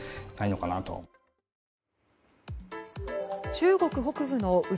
中国北部の内